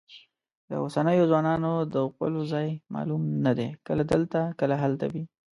د اوسنیو ځوانانو د غولو ځای معلوم نه دی، کله دلته کله هلته وي.